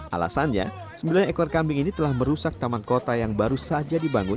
alasannya sembilan ekor kambing ini telah merusak taman kota yang baru saja dibangun